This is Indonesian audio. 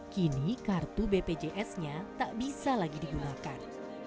kini kartu bpjs nya tak bisa lagi digunakan